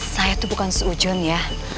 saya tuh bukan sujon ya